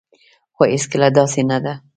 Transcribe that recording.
خو هيڅکله داسي نه ده